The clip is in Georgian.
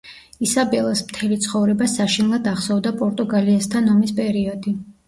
ისაბელას მთელი ცხოვრება საშინლად ახსოვდა პორტუგალიასთან ომის პერიოდი.